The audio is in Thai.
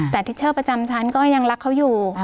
แต่ทิเชอร์ประจำชั้นก็ยังรักเขาอยู่